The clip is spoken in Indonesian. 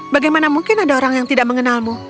bagaimana mungkin ada orang yang tidak mengenalmu